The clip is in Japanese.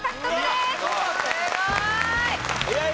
すごい！